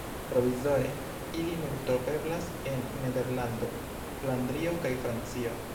Provizore ili nur troveblas en Nederlando, Flandrio kaj Francio.